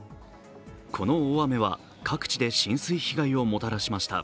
この大雨は各地で浸水被害をもたらしました。